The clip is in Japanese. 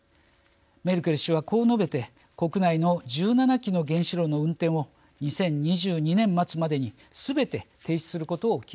メルケル氏はこう述べて国内の１７基の原子炉の運転を２０２２年末までにすべて停止することを決めました。